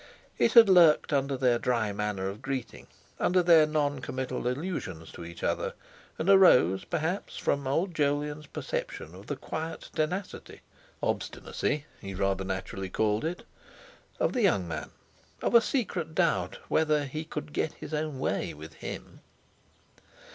It had lurked under their dry manner of greeting, under their non committal allusions to each other, and arose perhaps from old Jolyon's perception of the quiet tenacity ("obstinacy," he rather naturally called it) of the young man, of a secret doubt whether he could get his own way with him.